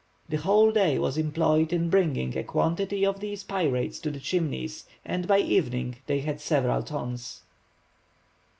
The whole day was employed in bringing a quantity of these pyrites to the Chimneys, and by evening they had several tons.